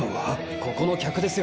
ここの客ですよ。